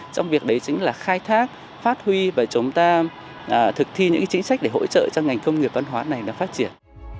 trong việc đấy chính là khai thác phát huy và chúng ta thực thi những chính sách để hỗ trợ cho ngành công nghiệp văn hóa này phát triển